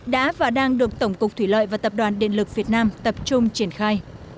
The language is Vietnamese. đã và đang được tổng cục thủy lợi và tập đoàn điện lực việt nam tập trung triển khai